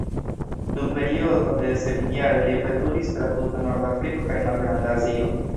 Dum periodo de sep jaroj li veturis tra tuta Nordafriko kaj Malgranda Azio.